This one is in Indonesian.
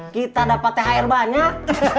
kita dapat teh air banyak